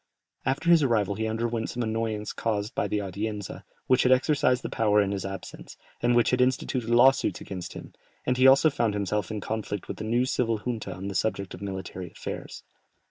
After his arrival he underwent some annoyance caused by the Audienza, which had exercised the power in his absence, and which had instituted law suits against him, and he also found himself in conflict with the new civil junta on the subject of military affairs.